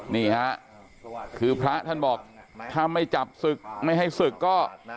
นี่ฮะคือพระท่านบอกถ้าไม่จับศึกไม่ให้ศึกก็